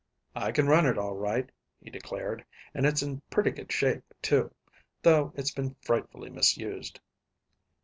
"I can run it all right," he declared, "and it's in pretty good shape, too, though it's been frightfully misused."